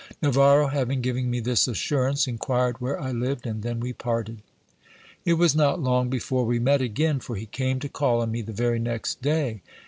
Navarro having given me this assurance, inquired where I lived, and then we parted. It was not long before we met again ; for he came to call on me the very next day.